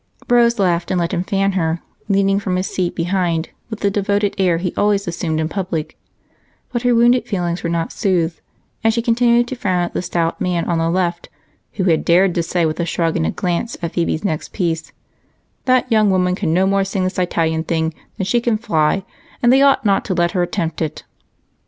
Rose laughed and let him fan her, leaning from his seat behind with the devoted air he always assumed in public, but her wounded feelings were not soothed and she continued to frown at the stout man on the left who had dared to say with a shrug and a glance at Phebe's next piece, "That young woman can no more sing this Italian thing than she can fly, and they ought not to let her attempt it."